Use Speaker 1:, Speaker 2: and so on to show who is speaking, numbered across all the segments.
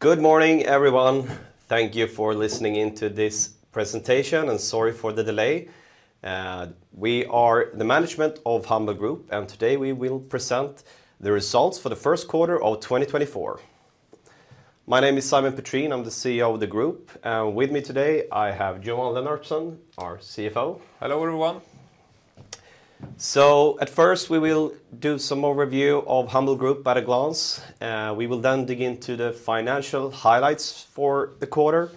Speaker 1: Good morning, everyone. Thank you for listening in to this presentation, and sorry for the delay. We are the management of Humble Group, and today we will present the results for the Q1 of 2024. My name is Simon Petrén. I'm the CEO of the group, and with me today, I have Johan Lennartsson, our CFO.
Speaker 2: Hello, everyone.
Speaker 1: At first, we will do some overview of Humble Group at a glance. We will then dig into the financial highlights for the quarter.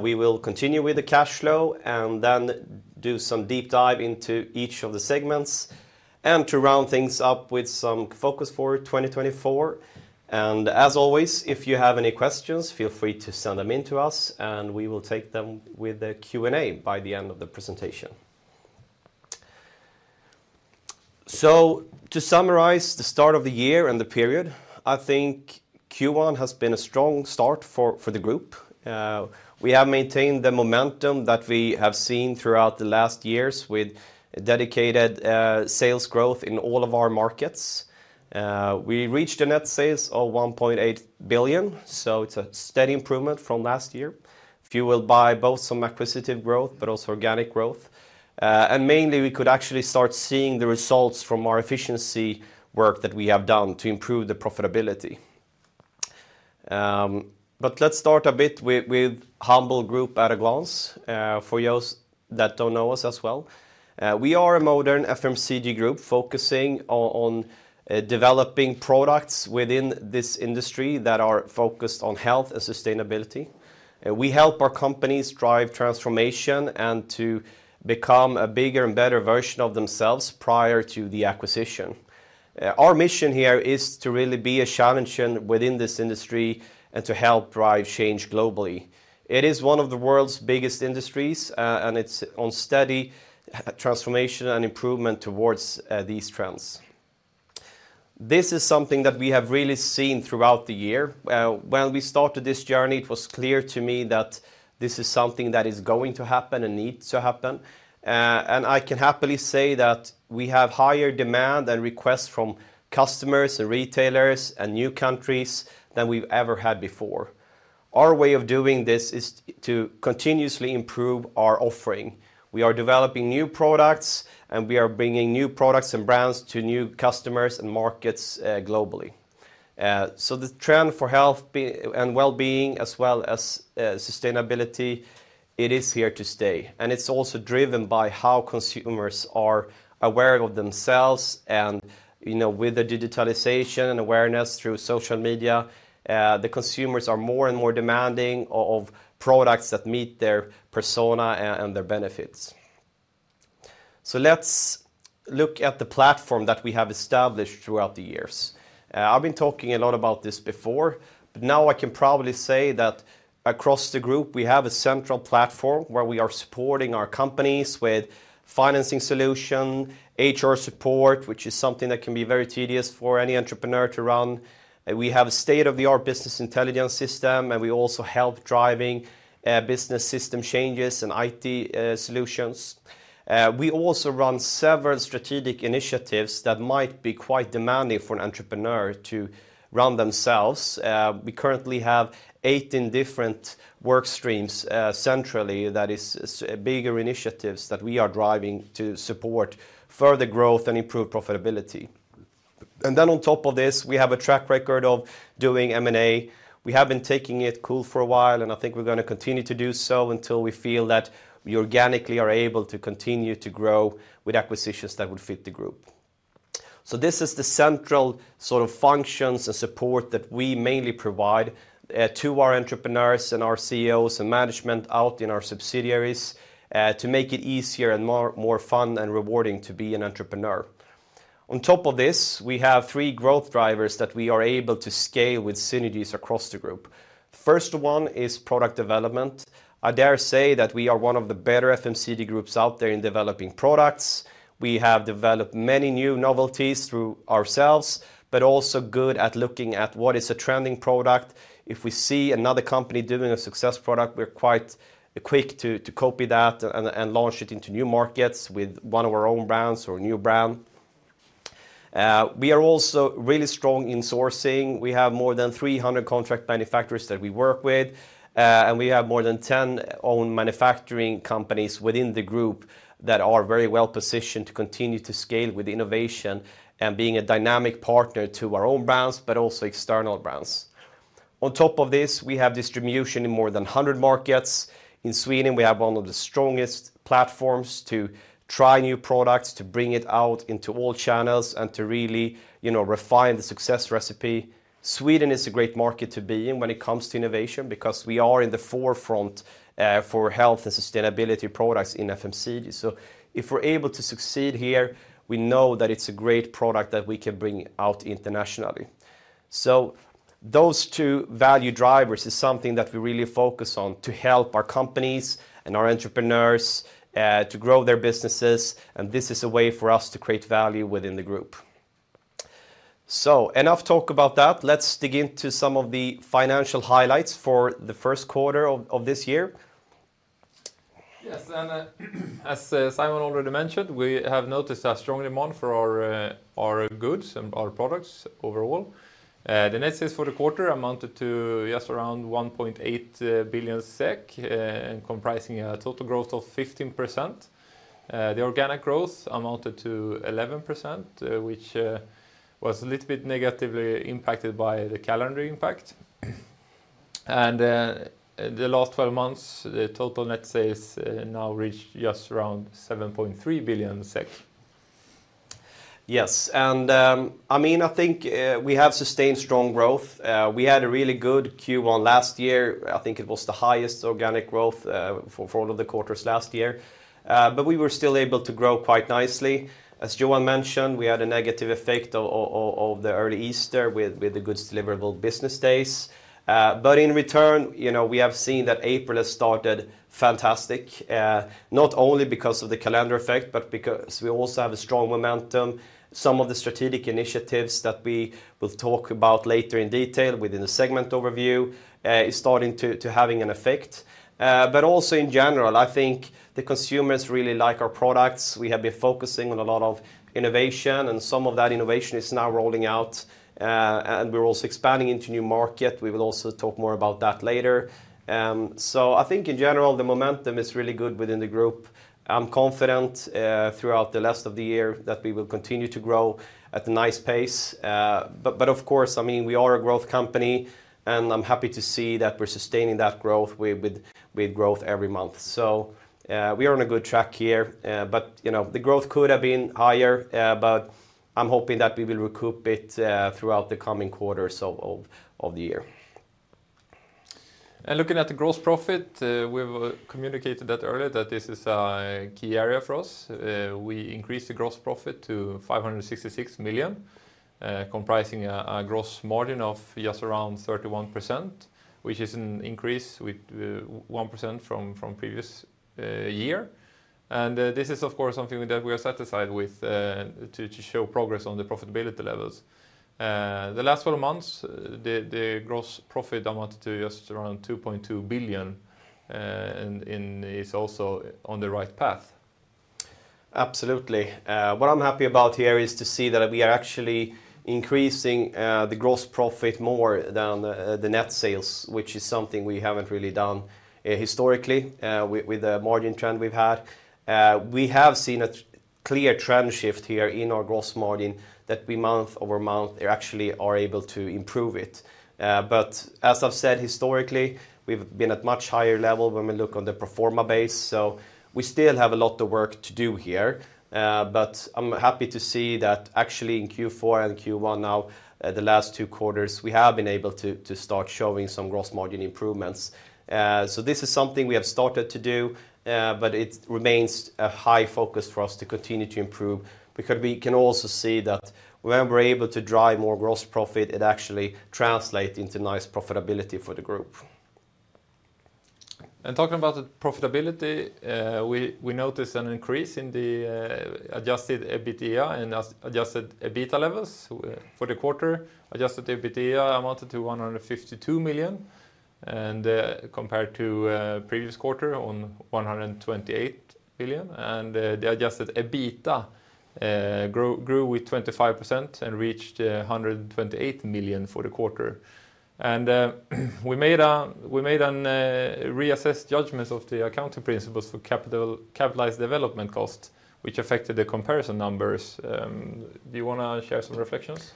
Speaker 1: We will continue with the cash flow, and then do some deep dive into each of the segments, and to round things up with some focus for 2024. As always, if you have any questions, feel free to send them in to us, and we will take them with the Q&A by the end of the presentation. To summarize the start of the year and the period, I think Q1 has been a strong start for the group. We have maintained the momentum that we have seen throughout the last years with dedicated sales growth in all of our markets. We reached net sales of 1.8 billion, so it's a steady improvement from last year, fueled by both some acquisitive growth, but also organic growth. Mainly, we could actually start seeing the results from our efficiency work that we have done to improve the profitability. But let's start a bit with Humble Group at a glance, for those that don't know us as well. We are a modern FMCG group focusing on developing products within this industry that are focused on health and sustainability. We help our companies drive transformation and to become a bigger and better version of themselves prior to the acquisition. Our mission here is to really be a challenger within this industry and to help drive change globally. It is one of the world's biggest industries, and it's on steady transformation and improvement towards, these trends. This is something that we have really seen throughout the year. When we started this journey, it was clear to me that this is something that is going to happen and needs to happen. I can happily say that we have higher demand and requests from customers and retailers and new countries than we've ever had before. Our way of doing this is to continuously improve our offering. We are developing new products, and we are bringing new products and brands to new customers and markets, globally. So the trend for health and well-being, as well as sustainability, it is here to stay, and it's also driven by how consumers are aware of themselves and, you know, with the digitalization and awareness through social media, the consumers are more and more demanding of products that meet their personal and their benefits. So let's look at the platform that we have established throughout the years. I've been talking a lot about this before, but now I can proudly say that across the group, we have a central platform where we are supporting our companies with financing solution, HR support, which is something that can be very tedious for any entrepreneur to run. We have a state-of-the-art business intelligence system, and we also help driving business system changes and IT solutions. We also run several strategic initiatives that might be quite demanding for an entrepreneur to run themselves. We currently have 18 different work streams, centrally, that is, bigger initiatives that we are driving to support further growth and improve profitability. And then on top of this, we have a track record of doing M&A. We have been taking it cool for a while, and I think we're gonna continue to do so until we feel that we organically are able to continue to grow with acquisitions that would fit the group. So this is the central sort of functions and support that we mainly provide, to our entrepreneurs and our CEOs and management out in our subsidiaries, to make it easier and more, more fun and rewarding to be an entrepreneur. On top of this, we have three growth drivers that we are able to scale with synergies across the group. First one is product development. I dare say that we are one of the better FMCG groups out there in developing products. We have developed many new novelties through ourselves, but also good at looking at what is a trending product. If we see another company doing a success product, we're quite quick to copy that and launch it into new markets with one of our own brands or a new brand. We are also really strong in sourcing. We have more than 300 contract manufacturers that we work with, and we have more than 10 own manufacturing companies within the group that are very well positioned to continue to scale with innovation and being a dynamic partner to our own brands, but also external brands. On top of this, we have distribution in more than 100 markets. In Sweden, we have one of the strongest platforms to try new products, to bring it out into all channels, and to really, you know, refine the success recipe. Sweden is a great market to be in when it comes to innovation because we are in the forefront for health and sustainability products in FMCG. So if we're able to succeed here, we know that it's a great product that we can bring out internationally. So those two value drivers is something that we really focus on to help our companies and our entrepreneurs, to grow their businesses, and this is a way for us to create value within the group. So enough talk about that. Let's dig into some of the financial highlights for the Q1 of this year....
Speaker 2: Yes, and, as Simon already mentioned, we have noticed a strong demand for our, our goods and our products overall. The net sales for the quarter amounted to just around 1.8 billion SEK, and comprising a total growth of 15%. The organic growth amounted to 11%, which was a little bit negatively impacted by the calendar impact. And, the last 12 months, the total net sales now reached just around 7.3 billion SEK.
Speaker 1: Yes, and, I mean, I think we have sustained strong growth. We had a really good Q1 last year. I think it was the highest organic growth for all of the quarters last year. But we were still able to grow quite nicely. As Johan mentioned, we had a negative effect of the early Easter with the goods deliverable business days. But in return, you know, we have seen that April has started fantastic, not only because of the calendar effect, but because we also have a strong momentum. Some of the strategic initiatives that we will talk about later in detail within the segment overview is starting to having an effect. But also in general, I think the consumers really like our products. We have been focusing on a lot of innovation, and some of that innovation is now rolling out. And we're also expanding into new market. We will also talk more about that later. So I think in general, the momentum is really good within the group. I'm confident throughout the rest of the year that we will continue to grow at a nice pace. But of course, I mean, we are a growth company, and I'm happy to see that we're sustaining that growth with growth every month. So we are on a good track here, but you know, the growth could have been higher, but I'm hoping that we will recoup it throughout the coming quarters of the year.
Speaker 2: And looking at the gross profit, we've communicated that earlier, that this is a key area for us. We increased the gross profit to 566 million, comprising a gross margin of just around 31%, which is an increase with 1% from previous year. And this is, of course, something that we are satisfied with, to show progress on the profitability levels. The last four months, the gross profit amounted to just around 2.2 billion, and is also on the right path.
Speaker 1: Absolutely. What I'm happy about here is to see that we are actually increasing the gross profit more than the net sales, which is something we haven't really done historically with the margin trend we've had. We have seen a clear trend shift here in our gross margin that we month-over-month are actually able to improve it. But as I've said, historically, we've been at much higher level when we look on the pro forma basis, so we still have a lot of work to do here. But I'm happy to see that actually in Q4 and Q1 now, the last two quarters, we have been able to start showing some gross margin improvements. This is something we have started to do, but it remains a high focus for us to continue to improve, because we can also see that when we're able to drive more gross profit, it actually translate into nice profitability for the group.
Speaker 2: Talking about the profitability, we noticed an increase in the adjusted EBITDA and adjusted EBITA levels. For the quarter, adjusted EBITDA amounted to 152 million, and compared to previous quarter of 128 million. The adjusted EBITA grew with 25% and reached 128 million for the quarter. We made a reassessed judgment of the accounting principles for Capitalized Development Cost, which affected the comparison numbers. Do you wanna share some reflections?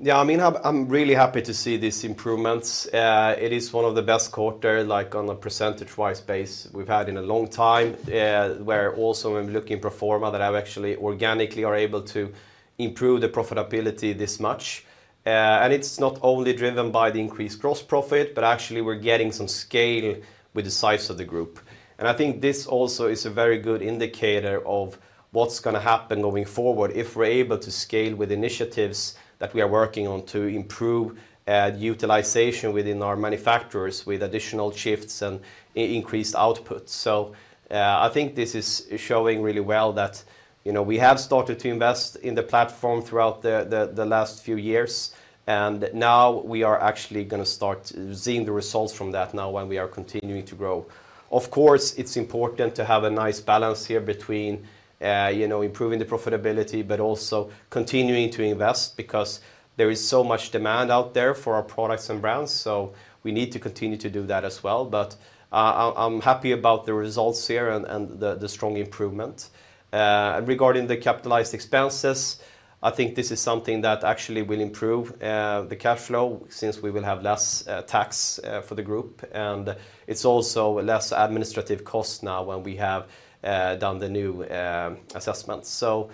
Speaker 1: Yeah, I mean, I'm really happy to see these improvements. It is one of the best quarter, like, on a percentage-wise base we've had in a long time, where also when looking pro forma, that I've actually organically are able to improve the profitability this much. And it's not only driven by the increased gross profit, but actually we're getting some scale with the size of the group. And I think this also is a very good indicator of what's gonna happen going forward, if we're able to scale with initiatives that we are working on to improve utilization within our manufacturers with additional shifts and increased output. So, I think this is showing really well that, you know, we have started to invest in the platform throughout the last few years, and now we are actually gonna start seeing the results from that now, when we are continuing to grow. Of course, it's important to have a nice balance here between, you know, improving the profitability, but also continuing to invest, because there is so much demand out there for our products and brands, so we need to continue to do that as well. But, I'm happy about the results here and the strong improvement. Regarding the capitalized expenses, I think this is something that actually will improve the cash flow, since we will have less tax for the group, and it's also less administrative cost now when we have done the new assessment. So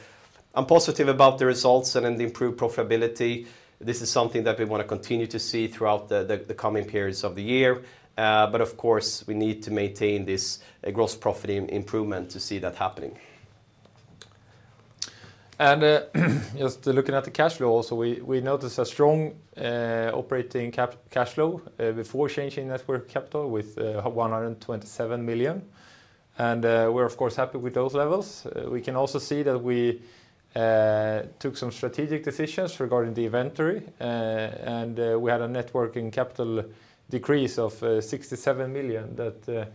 Speaker 1: I'm positive about the results and then the improved profitability. This is something that we wanna continue to see throughout the coming periods of the year. But of course, we need to maintain this gross profit improvement to see that happening.
Speaker 2: And just looking at the cash flow also, we noticed a strong operating cash flow before changing net working capital with 127 million. And we're of course happy with those levels. We can also see that we took some strategic decisions regarding the inventory and we had a net working capital decrease of 67 million that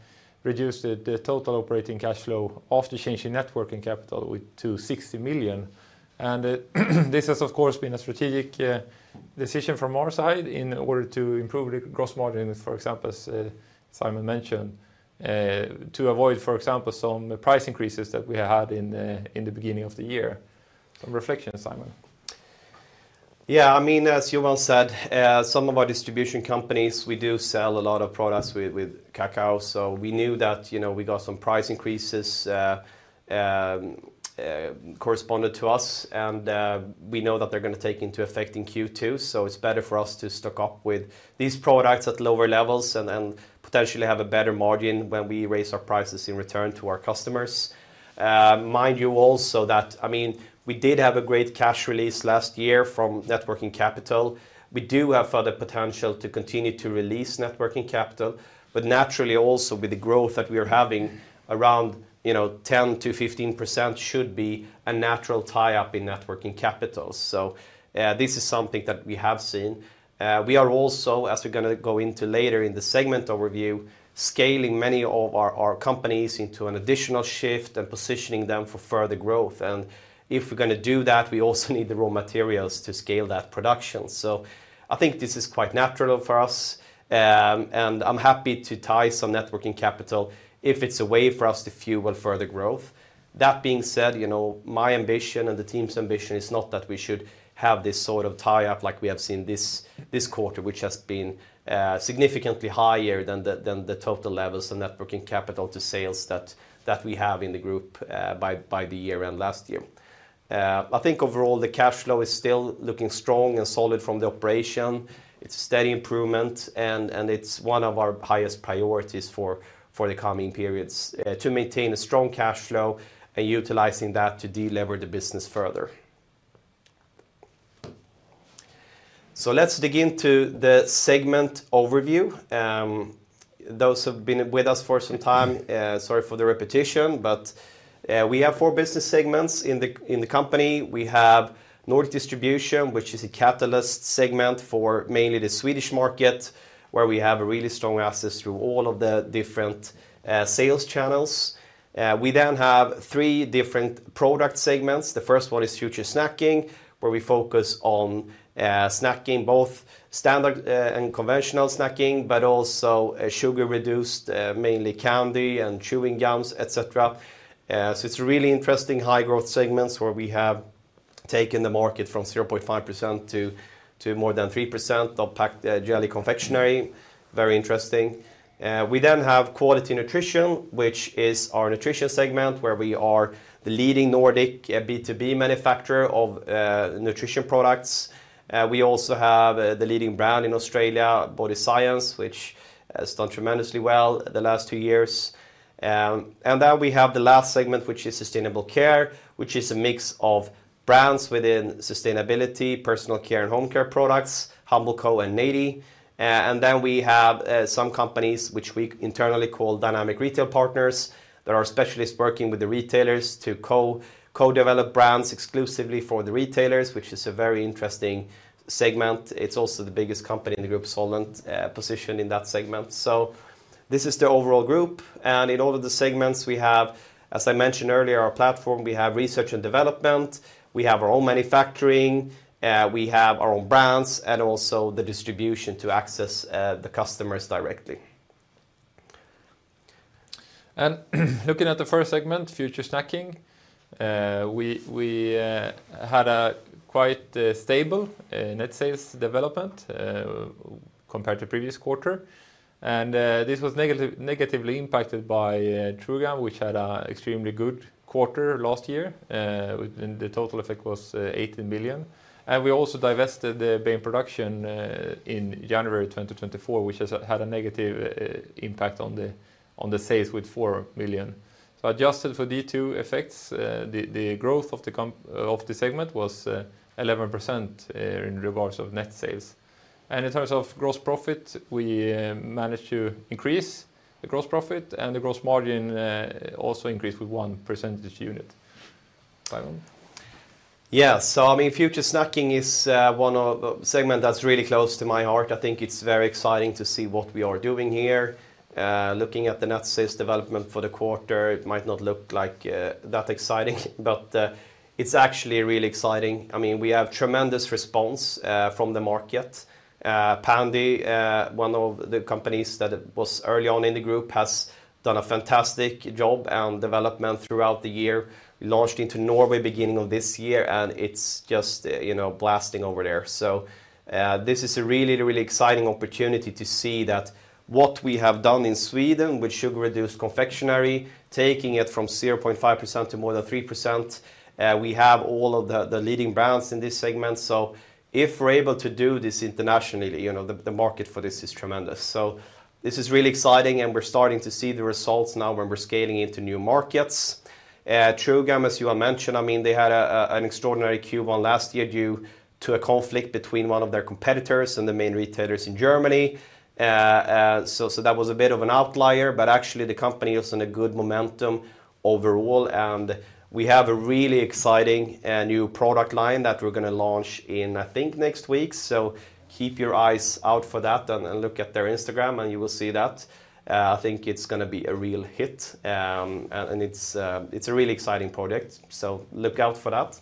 Speaker 2: reduced the total operating cash flow after changing net working capital to 60 million. And this has, of course, been a strategic decision from our side in order to improve the gross margin, for example, as Simon mentioned, to avoid, for example, some price increases that we had in the beginning of the year. Some reflection, Simon?
Speaker 1: Yeah, I mean, as Johan said, some of our distribution companies, we do sell a lot of products with cacao, so we knew that, you know, we got some price increases corresponded to us, and we know that they're gonna take into effect in Q2, so it's better for us to stock up with these products at lower levels and then potentially have a better margin when we raise our prices in return to our customers. Mind you also that, I mean, we did have a great cash release last year from net working capital. We do have further potential to continue to release net working capital, but naturally also, with the growth that we are having around, you know, 10%-15% should be a natural tie-up in net working capital. So, this is something that we have seen. We are also, as we're gonna go into later in the segment overview, scaling many of our companies into an additional shift and positioning them for further growth. And if we're gonna do that, we also need the raw materials to scale that production. So I think this is quite natural for us, and I'm happy to tie some net working capital if it's a way for us to fuel further growth. That being said, you know, my ambition and the team's ambition is not that we should have this sort of tie-up like we have seen this quarter, which has been significantly higher than the total levels of net working capital to sales that we have in the group, by the year end last year. I think overall, the cash flow is still looking strong and solid from the operation. It's a steady improvement, and it's one of our highest priorities for the coming periods, to maintain a strong cash flow and utilizing that to delever the business further. So let's dig into the segment overview. Those who have been with us for some time, sorry for the repetition, but, we have four business segments in the company. We have Nordic Distribution, which is a catalyst segment for mainly the Swedish market, where we have a really strong access through all of the different sales channels. We then have three different product segments. The first one is Future Snacking, where we focus on snacking, both standard and conventional snacking, but also a sugar-reduced, mainly candy and chewing gums, et cetera. So it's a really interesting high growth segments, where we have taken the market from 0.5% to more than 3% of packed jelly confectionery. Very interesting. We then have Quality Nutrition, which is our nutrition segment, where we are the leading Nordic B2B manufacturer of nutrition products. We also have the leading brand in Australia, Body Science, which has done tremendously well the last two years. And then we have the last segment, which is Sustainable Care, which is a mix of brands within sustainability, personal care, and home care products, Humble Co and Naty. And then we have some companies which we internally call dynamic retail partners, that are specialists working with the retailers to co-develop brands exclusively for the retailers, which is a very interesting segment. It's also the biggest company in the group, Solent, positioned in that segment. So this is the overall group, and in all of the segments we have, as I mentioned earlier, our platform, we have research and development, we have our own manufacturing, we have our own brands, and also the distribution to access, the customers directly.
Speaker 2: And looking at the first segment, Future Snacking, we had a quite stable net sales development compared to previous quarter. And this was negatively impacted by True Gum, which had an extremely good quarter last year, and the total effect was 18 million. And we also divested the Bayn Production in January 2024, which has had a negative impact on the sales with 4 million. So adjusted for these two effects, the growth of the segment was 11% in regards of net sales. And in terms of gross profit, we managed to increase the gross profit, and the gross margin also increased with one percentage unit. Simon?
Speaker 1: Yeah, so I mean, Future Snacking is one of the segments that's really close to my heart. I think it's very exciting to see what we are doing here. Looking at the net sales development for the quarter, it might not look like that exciting, but it's actually really exciting. I mean, we have tremendous response from the market. Pändy, one of the companies that was early on in the group, has done a fantastic job and development throughout the year. We launched into Norway beginning of this year, and it's just, you know, blasting over there. So, this is a really, really exciting opportunity to see that what we have done in Sweden with sugar-reduced confectionery, taking it from 0.5% to more than 3%, we have all of the leading brands in this segment. So if we're able to do this internationally, you know, the market for this is tremendous. So this is really exciting, and we're starting to see the results now when we're scaling into new markets. True Gum, as Johan mentioned, I mean, they had an extraordinary Q1 last year due to a conflict between one of their competitors and the main retailers in Germany. So that was a bit of an outlier, but actually the company is in a good momentum overall, and we have a really exciting new product line that we're gonna launch in, I think, next week. So keep your eyes out for that and look at their Instagram, and you will see that. I think it's gonna be a real hit. And it's a really exciting project, so look out for that.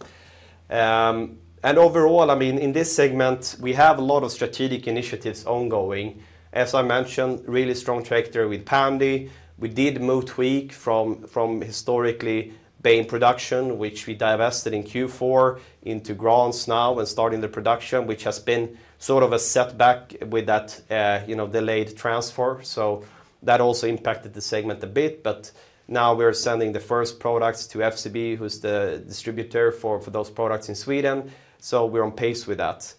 Speaker 1: And overall, I mean, in this segment, we have a lot of strategic initiatives ongoing. As I mentioned, really strong trajectory with Pändy. We did move Tweek from historically Bayn Production, which we divested in Q4, into Grahns now and starting the production, which has been sort of a setback with that, you know, delayed transfer. So that also impacted the segment a bit, but now we're sending the first products to FCB, who's the distributor for those products in Sweden, so we're on pace with that.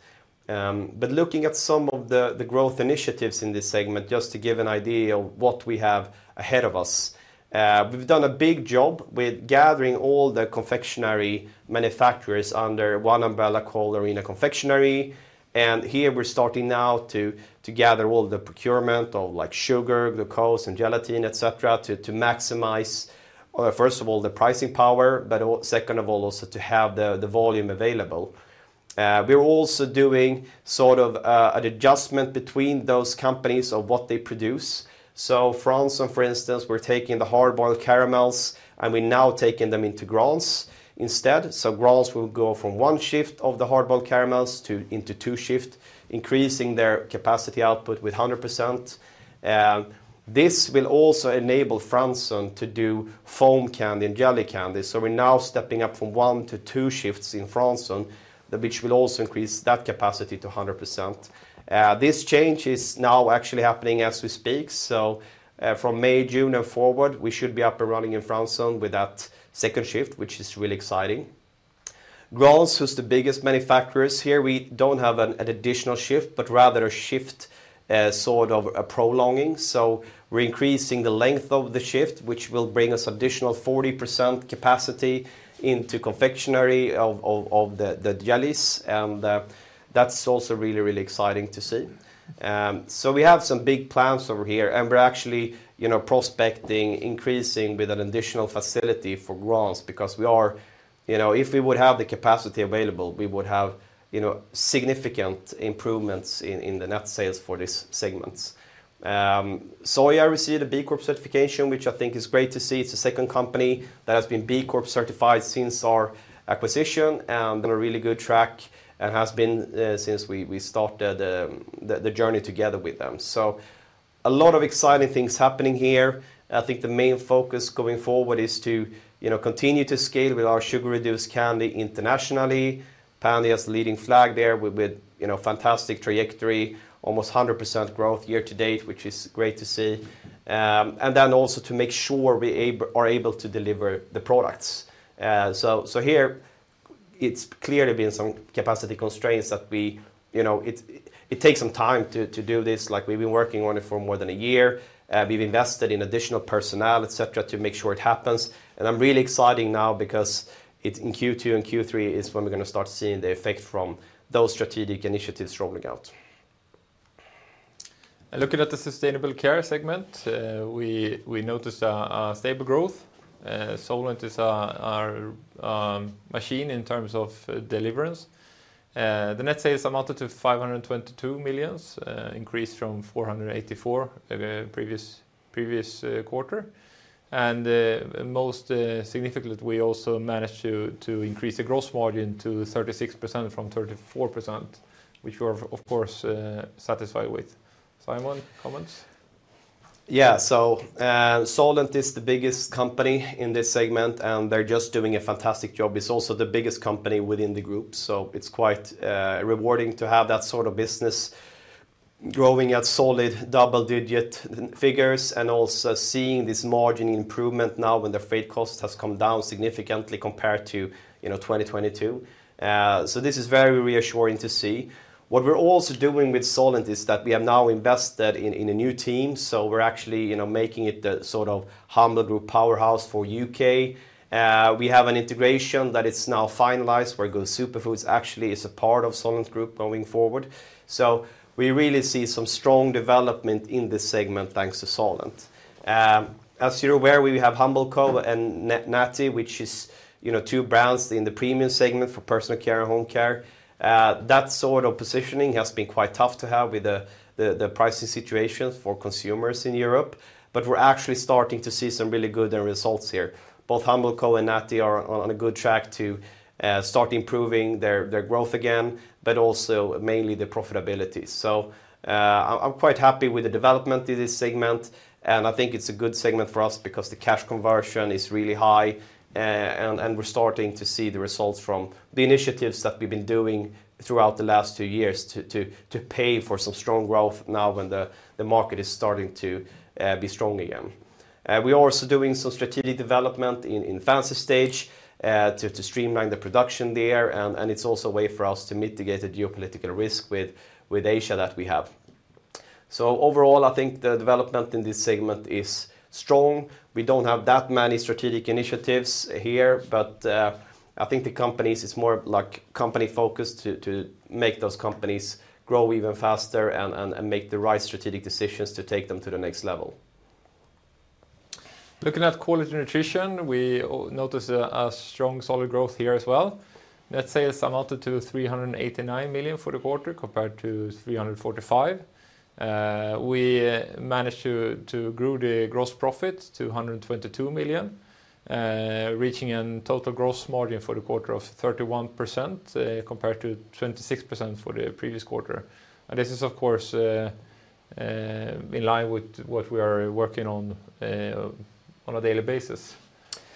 Speaker 1: But looking at some of the growth initiatives in this segment, just to give an idea of what we have ahead of us. We've done a big job with gathering all the confectionery manufacturers under one umbrella called Arena Confectionery, and here we're starting now to gather all the procurement of, like, sugar, glucose, and gelatin, et cetera, to maximize first of all the pricing power, but also second of all to have the volume available. We're also doing sort of an adjustment between those companies of what they produce. So Franssons, for instance, we're taking the hard-boiled caramels, and we're now taking them into Grahns instead. So Grahns will go from one shift of the hard-boiled caramels into two shifts, increasing their capacity output with 100%. This will also enable Franssons to do foam candy and jelly candy. So we're now stepping up from one to two shifts in Franssons, which will also increase that capacity to 100%. This change is now actually happening as we speak, so, from May, June, and forward, we should be up and running in Franssons with that second shift, which is really exciting. Grahns, who's the biggest manufacturers here, we don't have an additional shift, but rather a shift, sort of a prolonging. So we're increasing the length of the shift, which will bring us additional 40% capacity into confectionery of the jellies, and that's also really, really exciting to see. So we have some big plans over here, and we're actually, you know, prospecting, increasing with an additional facility for Grahns because we are... You know, if we would have the capacity available, we would have, you know, significant improvements in the net sales for these segments. Solent Group received a B Corp certification, which I think is great to see. It's the second company that has been B Corp certified since our acquisition, and on a really good track and has been since we started the journey together with them. So a lot of exciting things happening here. I think the main focus going forward is to, you know, continue to scale with our sugar-reduced candy internationally. Pändy has the leading flag there with, with, you know, fantastic trajectory, almost 100% growth year to date, which is great to see. And then also to make sure we are able to deliver the products. So here it's clearly been some capacity constraints that we... You know, it takes some time to do this. Like, we've been working on it for more than a year. We've invested in additional personnel, et cetera, to make sure it happens, and I'm really exciting now because it's in Q2 and Q3 is when we're gonna start seeing the effect from those strategic initiatives rolling out.
Speaker 2: Looking at the sustainable care segment, we noticed a stable growth. Solent is our machine in terms of deliverance. The net sales amounted to 522 million, increased from 484 million the previous quarter. Most significant, we also managed to increase the gross margin to 36% from 34%, which we're of course satisfied with. Simon, comments?
Speaker 1: Yeah, so, Solent is the biggest company in this segment, and they're just doing a fantastic job. It's also the biggest company within the group, so it's quite, rewarding to have that sort of business growing at solid double-digit figures and also seeing this margin improvement now when the freight cost has come down significantly compared to, you know, 2022. So this is very reassuring to see. What we're also doing with Solent is that we have now invested in a new team, so we're actually, you know, making it the sort of Humble Group powerhouse for U.K. We have an integration that is now finalized, where Go Superfoods actually is a part of Solent Group going forward. So we really see some strong development in this segment, thanks to Solent. As you're aware, we have Humble Co. and Naty, which is, you know, two brands in the premium segment for personal care and home care. That sort of positioning has been quite tough to have with the pricing situations for consumers in Europe, but we're actually starting to see some really good results here. Both Humble Co. and Naty are on a good track to start improving their growth again, but also mainly the profitability. So, I'm quite happy with the development in this segment, and I think it's a good segment for us because the cash conversion is really high, and we're starting to see the results from the initiatives that we've been doing throughout the last two years to pay for some strong growth now when the market is starting to be strong again. We are also doing some strategic development in Fancystage to streamline the production there, and it's also a way for us to mitigate the geopolitical risk with Asia that we have. So overall, I think the development in this segment is strong. We don't have that many strategic initiatives here, but I think the companies is more like company-focused to make those companies grow even faster and make the right strategic decisions to take them to the next level.
Speaker 2: Looking at Quality Nutrition, we notice a strong solid growth here as well. Net sales amounted to 389 million for the quarter, compared to 345 million. We managed to grow the gross profit to 122 million, reaching a total gross margin for the quarter of 31%, compared to 26% for the previous quarter. And this is, of course, in line with what we are working on, on a daily basis.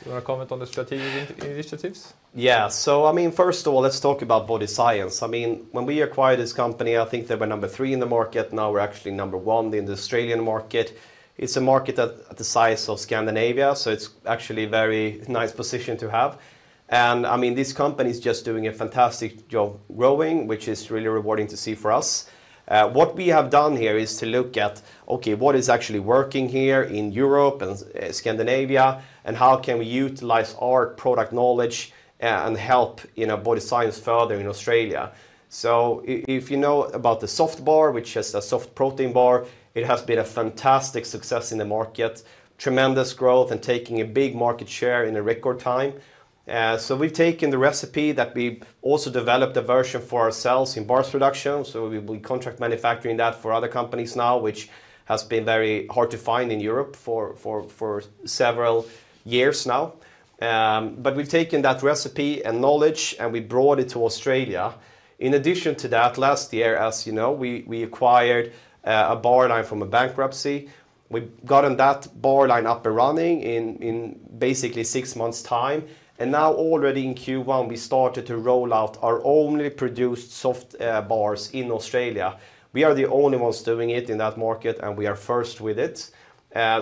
Speaker 2: You want to comment on the strategic initiatives?
Speaker 1: Yeah. So I mean, first of all, let's talk about Body Science. I mean, when we acquired this company, I think they were number 3 in the market. Now we're actually number 1 in the Australian market. It's a market that the size of Scandinavia, so it's actually a very nice position to have. And I mean, this company is just doing a fantastic job growing, which is really rewarding to see for us. What we have done here is to look at, okay, what is actually working here in Europe and Scandinavia, and how can we utilize our product knowledge and help, you know, Body Science further in Australia? So if you know about the Soft Bar, which is a soft protein bar, it has been a fantastic success in the market. Tremendous growth and taking a big market share in a record time. So we've taken the recipe that we've also developed a version for ourselves in Bars Production, so we contract manufacturing that for other companies now, which has been very hard to find in Europe for several years now. But we've taken that recipe and knowledge, and we brought it to Australia. In addition to that, last year, as you know, we acquired a bar line from a bankruptcy. We've gotten that bar line up and running in basically 6 months' time, and now already in Q1, we started to roll out our only produced soft bars in Australia. We are the only ones doing it in that market, and we are first with it.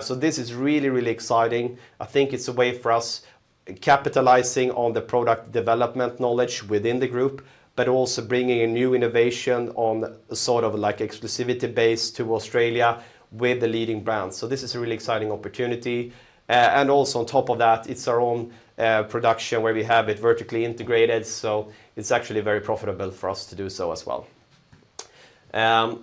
Speaker 1: So this is really, really exciting. I think it's a way for us capitalizing on the product development knowledge within the group, but also bringing a new innovation on sort of like exclusivity base to Australia with the leading brands. So this is a really exciting opportunity. And also on top of that, it's our own production, where we have it vertically integrated, so it's actually very profitable for us to do so as well.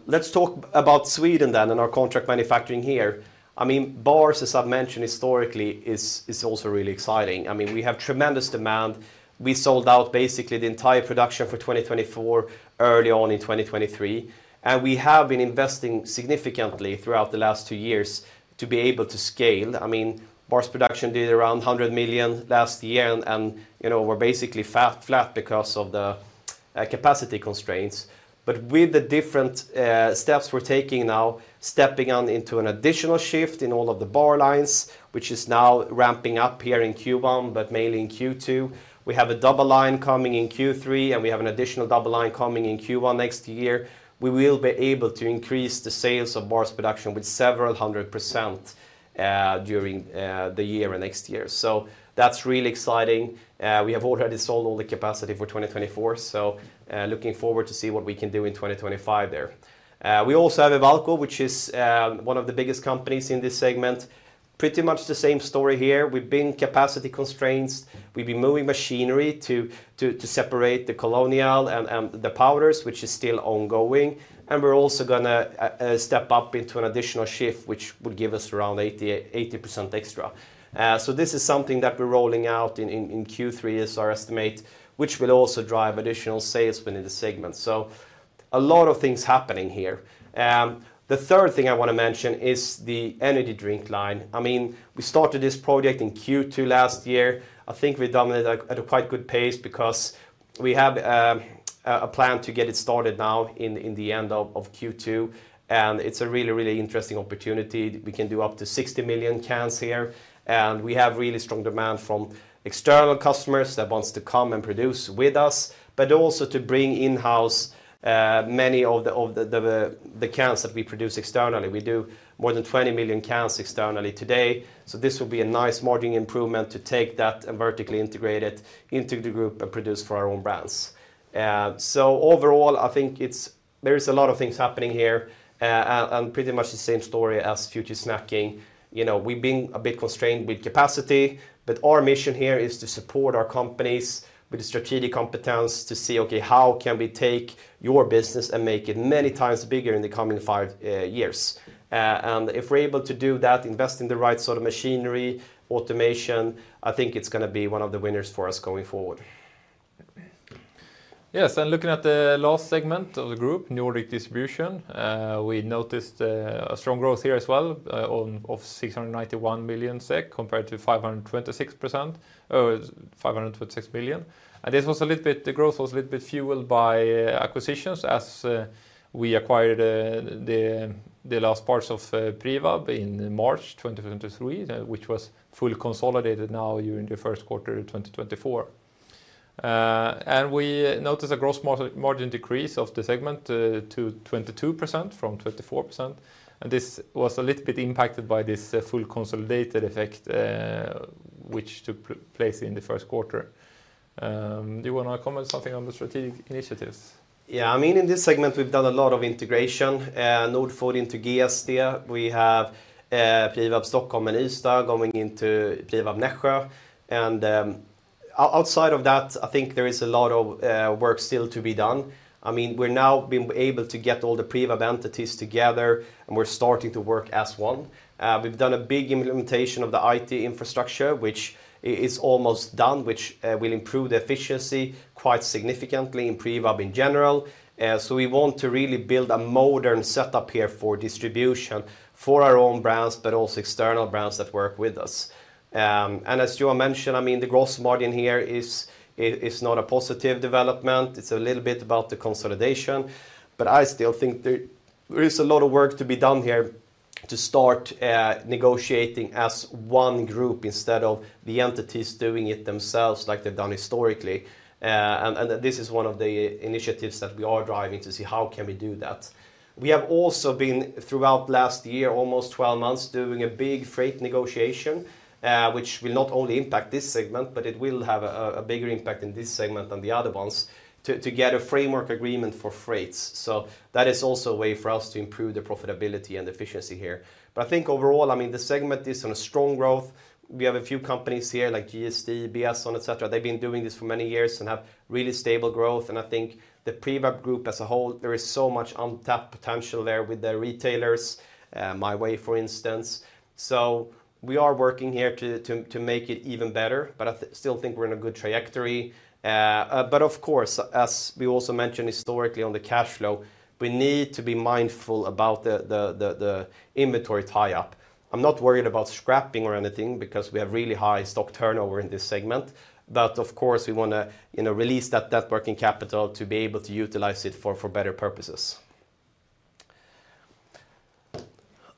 Speaker 1: Let's talk about Sweden then, and our contract manufacturing here. I mean, bars, as I've mentioned historically, is also really exciting. I mean, we have tremendous demand. We sold out basically the entire production for 2024 early on in 2023, and we have been investing significantly throughout the last two years to be able to scale. I mean, Bars Production did around 100 million last year, and, you know, we're basically flat because of the capacity constraints. But with the different steps we're taking now, stepping on into an additional shift in all of the bar lines, which is now ramping up here in Q1, but mainly in Q2, we have a double line coming in Q3, and we have an additional double line coming in Q1 next year. We will be able to increase the sales of Bars Production with several hundred%, during the year and next year. So that's really exciting. We have already sold all the capacity for 2024, so looking forward to see what we can do in 2025 there. We also have Ewalco, which is one of the biggest companies in this segment. Pretty much the same story here. We've been capacity constraints. We've been moving machinery to separate the collagen and the powders, which is still ongoing, and we're also gonna step up into an additional shift, which would give us around 80% extra. So this is something that we're rolling out in Q3, is our estimate, which will also drive additional sales within the segment. So a lot of things happening here. The third thing I want to mention is the energy drink line. I mean, we started this project in Q2 last year. I think we've done it at a quite good pace because we have a plan to get it started now in the end of Q2, and it's a really, really interesting opportunity. We can do up to 60 million cans here, and we have really strong demand from external customers that wants to come and produce with us, but also to bring in-house many of the cans that we produce externally. We do more than 20 million cans externally today, so this will be a nice margin improvement to take that and vertically integrate it into the group and produce for our own brands. So overall, I think it's... There is a lot of things happening here, and pretty much the same story as Future Snacking. You know, we've been a bit constrained with capacity, but our mission here is to support our companies with the strategic competence to see, okay, how can we take your business and make it many times bigger in the coming 5 years? If we're able to do that, invest in the right sort of machinery, automation, I think it's gonna be one of the winners for us going forward.
Speaker 2: Yes, and looking at the last segment of the group, Nordic Distribution, we noticed a strong growth here as well, of 691 million SEK, compared to 526 percent, 526 million. And this was a little bit, the growth was a little bit fueled by acquisitions as we acquired the last parts of Privab in March 2023, which was fully consolidated now during the Q1 of 2024. And we noticed a gross margin decrease of the segment to 22% from 24%, and this was a little bit impacted by this full consolidated effect, which took place in the Q1. Do you wanna comment something on the strategic initiatives?
Speaker 1: Yeah, I mean, in this segment, we've done a lot of integration, Nordfood into GSD. We have, Privab Stockholm and Ystad going into Privab Nässjö. And, outside of that, I think there is a lot of work still to be done. I mean, we're now being able to get all the Privab entities together, and we're starting to work as one. We've done a big implementation of the IT infrastructure, which is almost done, which will improve the efficiency quite significantly in Privab in general. So we want to really build a modern setup here for distribution for our own brands, but also external brands that work with us. And as Johan mentioned, I mean, the gross margin here is, is, is not a positive development. It's a little bit about the consolidation, but I still think there, there is a lot of work to be done here to start negotiating as one group instead of the entities doing it themselves like they've done historically. And this is one of the initiatives that we are driving to see how can we do that? We have also been, throughout last year, almost 12 months, doing a big freight negotiation, which will not only impact this segment, but it will have a bigger impact in this segment than the other ones, to get a framework agreement for freights. So that is also a way for us to improve the profitability and efficiency here. But I think overall, I mean, the segment is on a strong growth. We have a few companies here, like GSD, Beson, etc. They've been doing this for many years and have really stable growth, and I think the Privab Group as a whole, there is so much untapped potential there with the retailers, MyWay, for instance. So we are working here to make it even better, but I still think we're in a good trajectory. But of course, as we also mentioned historically on the cash flow, we need to be mindful about the inventory tie-up. I'm not worried about scrapping or anything because we have really high stock turnover in this segment, but of course, we wanna, you know, release that working capital to be able to utilize it for better purposes.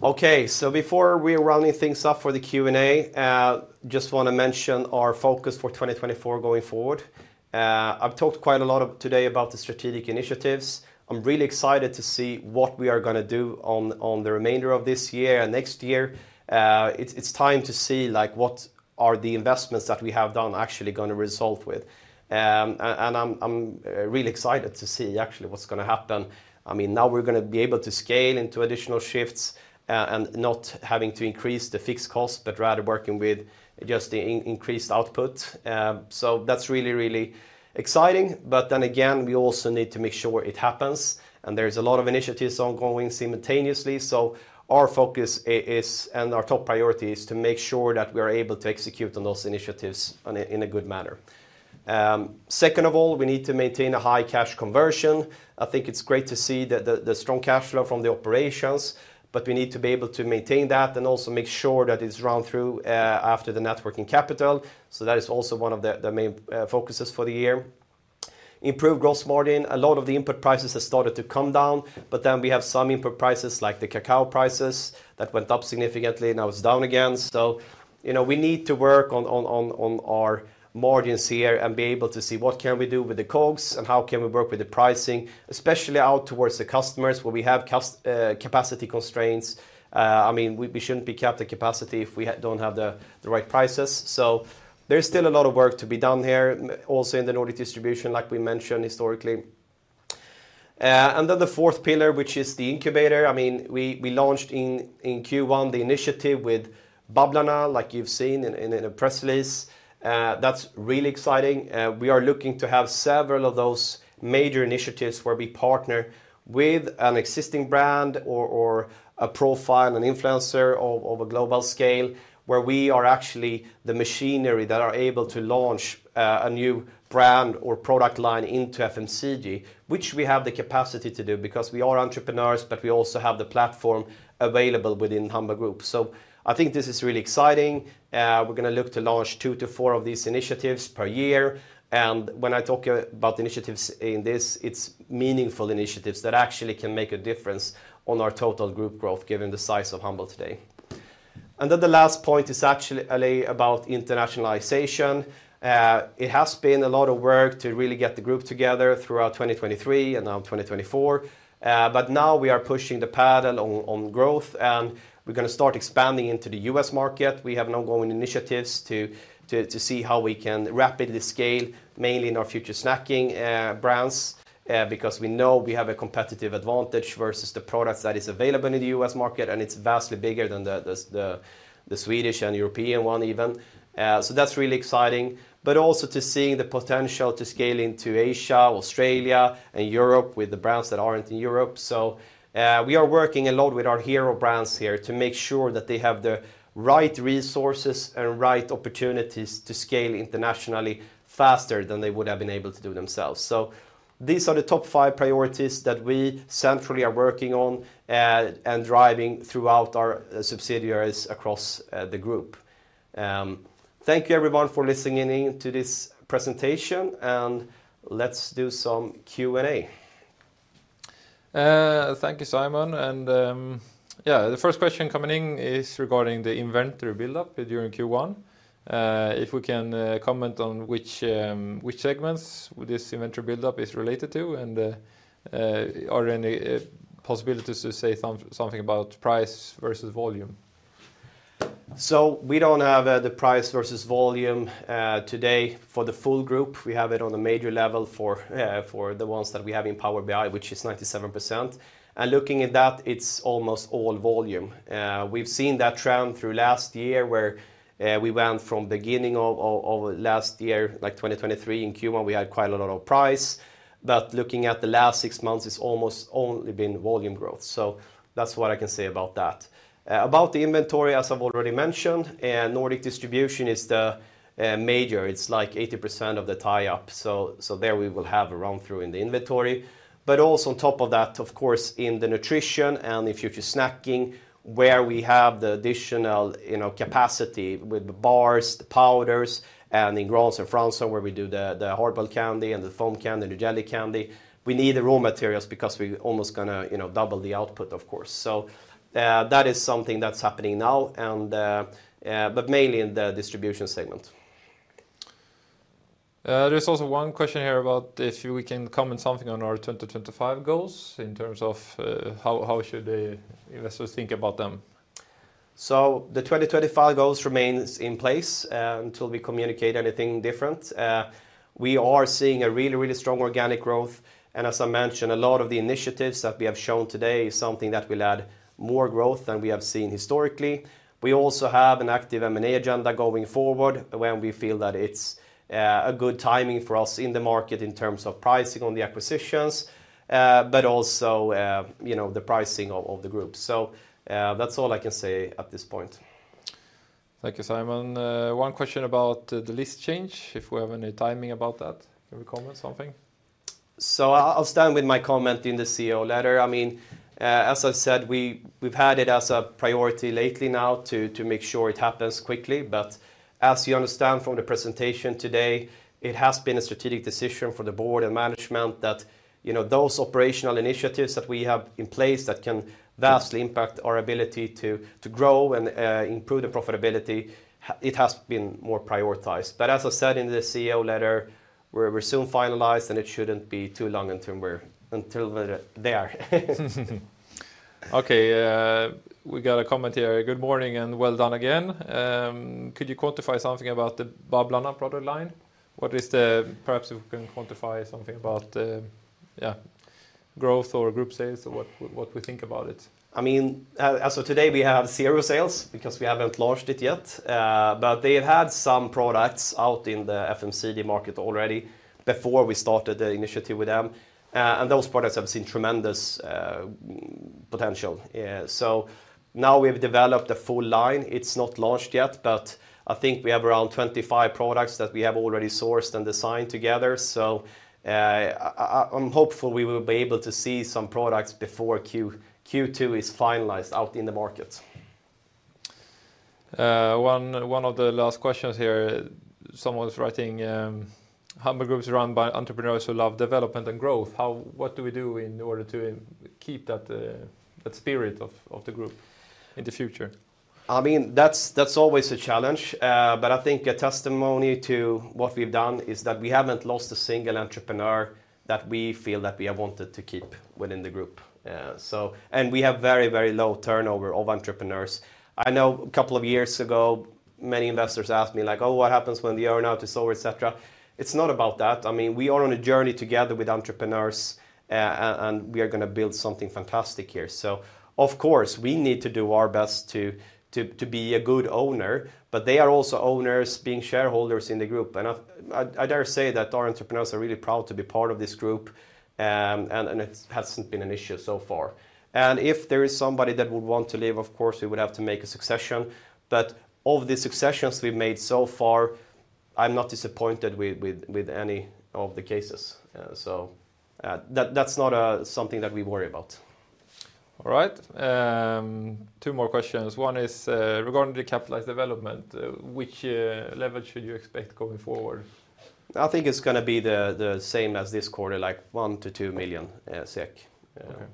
Speaker 1: Okay, so before we're rounding things up for the Q&A, just wanna mention our focus for 2024 going forward. I've talked quite a lot today about the strategic initiatives. I'm really excited to see what we are gonna do on the remainder of this year and next year. It's time to see, like, what are the investments that we have done actually gonna resolve with? And I'm really excited to see actually what's gonna happen. I mean, now we're gonna be able to scale into additional shifts, and not having to increase the fixed cost, but rather working with just the increased output. So that's really, really exciting, but then again, we also need to make sure it happens, and there's a lot of initiatives ongoing simultaneously. So our focus is, and our top priority, is to make sure that we are able to execute on those initiatives in a good manner. Second of all, we need to maintain a high cash conversion. I think it's great to see the strong cash flow from the operations, but we need to be able to maintain that and also make sure that it's run through after the net working capital, so that is also one of the main focuses for the year. Improved gross margin, a lot of the input prices have started to come down, but then we have some input prices, like the cacao prices, that went up significantly, now it's down again. So, you know, we need to work on our margins here and be able to see what can we do with the COGS and how can we work with the pricing, especially out towards the customers, where we have capacity constraints. I mean, we shouldn't be capped at capacity if we don't have the right prices. So there's still a lot of work to be done here, also in the Nordic distribution, like we mentioned historically. And then the fourth pillar, which is the incubator, I mean, we launched in Q1 the initiative with Babblarna, like you've seen in a press release, that's really exciting. We are looking to have several of those major initiatives, where we partner with an existing brand or a profile, an influencer of a global scale, where we are actually the machinery that are able to launch a new brand or product line into FMCG, which we have the capacity to do because we are entrepreneurs, but we also have the platform available within Humble Group. So I think this is really exciting. We're gonna look to launch 2-4 of these initiatives per year. When I talk about initiatives in this, it's meaningful initiatives that actually can make a difference on our total group growth, given the size of Humble today. Then the last point is actually about internationalization. It has been a lot of work to really get the group together throughout 2023 and now 2024, but now we are pushing the pedal on growth, and we're gonna start expanding into the U.S. market. We have an ongoing initiatives to see how we can rapidly scale, mainly in our future snacking brands, because we know we have a competitive advantage versus the products that is available in the U.S. market, and it's vastly bigger than the Swedish and European one even. So that's really exciting, but also to seeing the potential to scale into Asia, Australia, and Europe with the brands that aren't in Europe. So, we are working a lot with our hero brands here to make sure that they have the right resources and right opportunities to scale internationally faster than they would have been able to do themselves. So these are the top five priorities that we centrally are working on, and driving throughout our subsidiaries across, the group. Thank you, everyone, for listening in to this presentation, and let's do some Q&A.
Speaker 2: Thank you, Simon. And, yeah, the first question coming in is regarding the inventory buildup during Q1. If we can comment on which segments this inventory buildup is related to, and are any possibilities to say something about price versus volume?
Speaker 1: We don't have the price versus volume today for the full group. We have it on a major level for the ones that we have in Power BI, which is 97%. And looking at that, it's almost all volume. We've seen that trend through last year, where we went from beginning of last year, like 2023, in Q1 we had quite a lot of price. But looking at the last six months, it's almost only been volume growth. That's what I can say about that. About the inventory, as I've already mentioned, Nordic Distribution is the major. It's like 80% of the tie-up, so there we will have a run-through in the inventory. But also on top of that, of course, in the nutrition and the Future Snacking, where we have the additional, you know, capacity with the bars, the powders, and in Grahns & Franssons where we do the, the hard-boiled candy and the foam candy and the jelly candy, we need the raw materials because we're almost gonna, you know, double the output, of course. So, that is something that's happening now, and, but mainly in the Distribution segment.
Speaker 2: There's also one question here about if you can comment something on our 2025 goals in terms of, how should the investors think about them?
Speaker 1: So the 2025 goals remains in place, until we communicate anything different. We are seeing a really, really strong organic growth, and as I mentioned, a lot of the initiatives that we have shown today is something that will add more growth than we have seen historically. We also have an active M&A agenda going forward, when we feel that it's a good timing for us in the market in terms of pricing on the acquisitions, but also, you know, the pricing of, of the group. So, that's all I can say at this point.
Speaker 2: Thank you, Simon. One question about the list change, if we have any timing about that. Can you comment something?
Speaker 1: So I'll stand with my comment in the CEO letter. I mean, as I've said, we've had it as a priority lately now to make sure it happens quickly. But as you understand from the presentation today, it has been a strategic decision for the board and management that, you know, those operational initiatives that we have in place that can vastly impact our ability to grow and improve the profitability; it has been more prioritized. But as I said in the CEO letter, we're soon finalized, and it shouldn't be too long until we're... until there.
Speaker 2: Okay, we got a comment here. "Good morning, and well done again. Could you quantify something about the Babblarna product line? What is the... Perhaps you can quantify something about growth or group sales, or what we think about it.
Speaker 1: I mean, as of today, we have zero sales because we haven't launched it yet. But they have had some products out in the FMCG market already before we started the initiative with them, and those products have seen tremendous potential. So now we've developed a full line. It's not launched yet, but I think we have around 25 products that we have already sourced and designed together. So, hopefully we will be able to see some products before Q2 is finalized out in the market.
Speaker 2: One of the last questions here, someone is writing, "Humble Group is run by entrepreneurs who love development and growth. How—what do we do in order to keep that spirit of the group in the future?
Speaker 1: I mean, that's always a challenge. But I think a testimony to what we've done is that we haven't lost a single entrepreneur that we feel that we have wanted to keep within the group. So... And we have very, very low turnover of entrepreneurs. I know a couple of years ago, many investors asked me, like, "Oh, what happens when the earn-out is over," et cetera. It's not about that. I mean, we are on a journey together with entrepreneurs, and we are gonna build something fantastic here. So of course, we need to do our best to be a good owner, but they are also owners, being shareholders in the group. And I dare say that our entrepreneurs are really proud to be part of this group, and it hasn't been an issue so far. If there is somebody that would want to leave, of course, we would have to make a succession. But of the successions we've made so far, I'm not disappointed with any of the cases. So, that's not something that we worry about.
Speaker 2: All right, two more questions. One is, "Regarding the capitalized development, which level should you expect going forward?
Speaker 1: I think it's gonna be the same as this quarter, like 1-2 million SEK.
Speaker 2: Okay.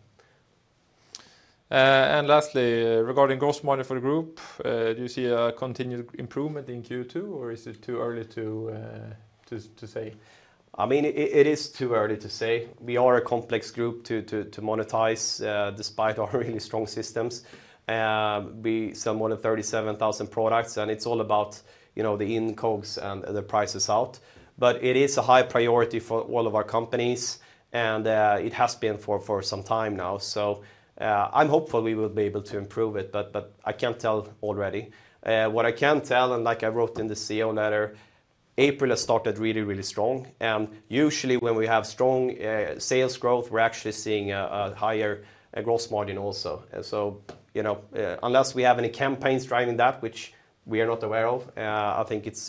Speaker 2: And lastly, "Regarding Gross Margin for the group, do you see a continued improvement in Q2, or is it too early to say?
Speaker 1: I mean, it is too early to say. We are a complex group to monetize, despite our really strong systems. We have more than 37,000 products, and it's all about, you know, the COGS and the prices out. But it is a high priority for all of our companies, and it has been for some time now. So, I'm hopeful we will be able to improve it, but I can't tell already. What I can tell, and like I wrote in the CEO letter, April has started really, really strong, and usually when we have strong sales growth, we're actually seeing a higher gross margin also. You know, unless we have any campaigns driving that, which we are not aware of, I think it's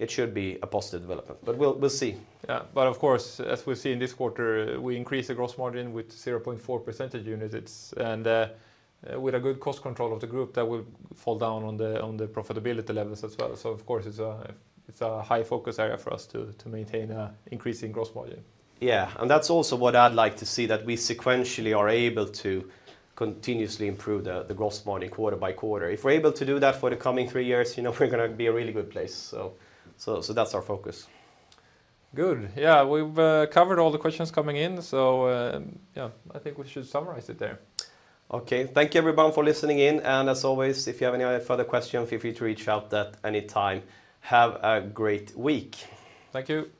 Speaker 1: a positive development, but we'll see.
Speaker 2: Yeah, but of course, as we've seen this quarter, we increased the gross margin with 0.4 percentage points. It's... And with a good cost control of the group, that will fall down on the profitability levels as well. So of course, it's a high-focus area for us to maintain a increasing gross margin.
Speaker 1: Yeah, and that's also what I'd like to see, that we sequentially are able to continuously improve the gross margin quarter by quarter. If we're able to do that for the coming three years, you know, we're gonna be in a really good place, so that's our focus.
Speaker 2: Good. Yeah, we've covered all the questions coming in, so, yeah, I think we should summarize it there.
Speaker 1: Okay. Thank you, everyone, for listening in, and as always, if you have any other further questions, feel free to reach out at any time. Have a great week.
Speaker 2: Thank you.